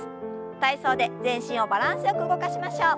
体操で全身をバランスよく動かしましょう。